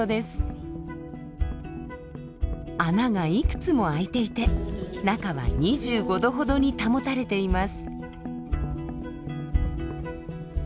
穴がいくつもあいていて中は２５度ほどに保たれています。